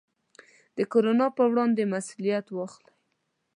د کورونا پر وړاندې مسوولیت واخلئ.